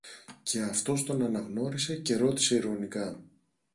Και αυτός τον αναγνώρισε, και ρώτησε ειρωνικά